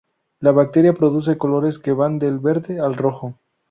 La bacteria produce colores que van del verde al rojo.